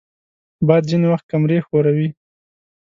باد ځینې وخت کمرې ښوروي